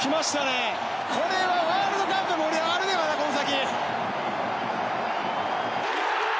これはワールドカップ盛り上がるよね、この先。